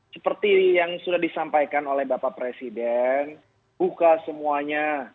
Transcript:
seperti yang sudah disampaikan oleh bapak presiden buka semuanya